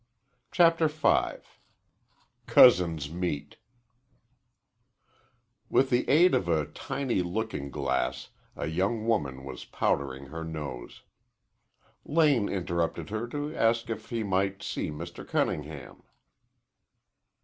CHAPTER V COUSINS MEET With the aid of a tiny looking glass a young woman was powdering her nose. Lane interrupted her to ask if he might see Mr. Cunningham.